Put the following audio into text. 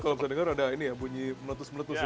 kalau kita dengar ada ini ya bunyi meletus meletus ya